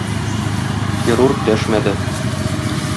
Хирург дәшмәде.